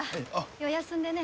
よう休んでね。